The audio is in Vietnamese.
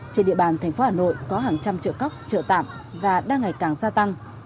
trên địa bàn tp hà nội có hàng trăm trợ tạm và đang ngày càng gia tăng